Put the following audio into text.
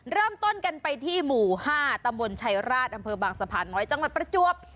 เริ่มต้นกันไปที่หมู่๕ตำบลชัยราชอำเภอบางสะพานน้อยจังหวัดประจวบ